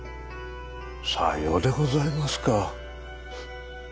さようでございますか。